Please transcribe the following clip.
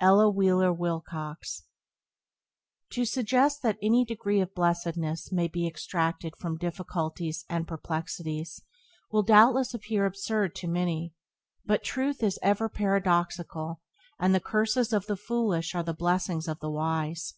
—Ella Wheeler Wilcox. 0 suggest that any degree of blessedness may be extracted from difficulties and perplexities will doubtless appear absurd to many; but truth is ever paradoxical, and the curses of the foolish are the blessings of the wise.